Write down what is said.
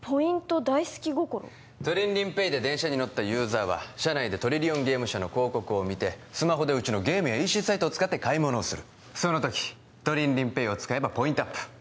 トリンリンＰａｙで電車に乗ったユーザーは車内でトリリオンゲーム社の広告を見てスマホでうちのゲームやＥＣサイトを使って買い物をするその時トリンリンＰａｙを使えばポイントアップ